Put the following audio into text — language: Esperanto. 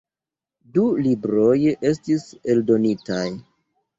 Du libroj estis eldonitaj.